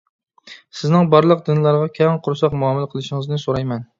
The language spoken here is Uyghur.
سىزنىڭ بارلىق دىنلارغا كەڭ قورساق مۇئامىلە قىلىشىڭىزنى سورايمەن.